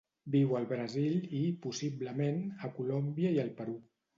Viu al Brasil i, possiblement, a Colòmbia i el Perú.